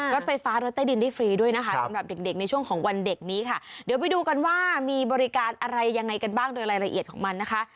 รถไฟฟ้ารถใต้ดินได้ฟรีด้วยนะคะสำหรับเด็กเด็กในช่วงของวันเด็กนี้ค่ะเดี๋ยวไปดูกันว่ามีบริการอะไรยังไงกันบ้างโดยรายละเอียดของมันนะคะ